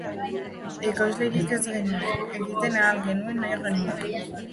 Ekoizlerik ez genuenez, egiten ahal genuen nahi genuena.